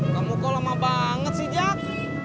kamu kok lama banget sih jak